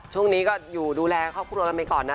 ช่วงนี้ก็อยู่ดูแลครอบครัวกันไปก่อนนะ